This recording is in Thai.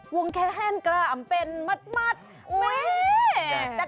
วงแคร่งกล่ามเป็นมัดมินแต่เออน่ารักเออ